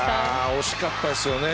惜しかったですよね。